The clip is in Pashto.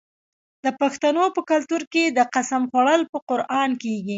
د پښتنو په کلتور کې د قسم خوړل په قران کیږي.